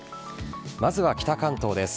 まずは北関東です。